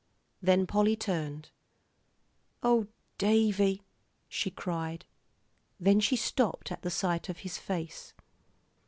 Then Polly turned. "Oh, Davie," she cried. Then she stopped, at the sight of his face.